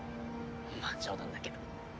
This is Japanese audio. まあ冗談だけど。